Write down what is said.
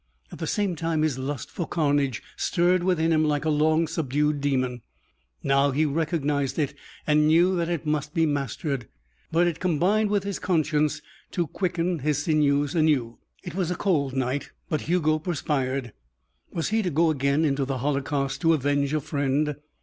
At the same time his lust for carnage stirred within him like a long subdued demon. Now he recognized it and knew that it must be mastered. But it combined with his conscience to quicken his sinews anew. It was a cold night, but Hugo perspired. Was he to go again into the holocaust to avenge a friend?